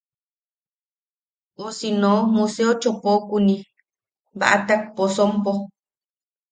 O si no Museo Chopokuni baʼatak posompo.